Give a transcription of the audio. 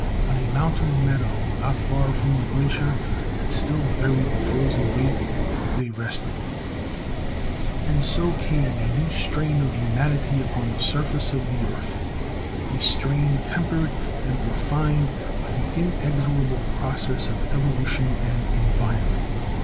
On a mountain meadow, not far from the glacier that still buried the Frozen Gate, they rested.... And so came a new strain of humanity upon the surface of the earth a strain tempered and refined by the inexorable process of evolution and environment.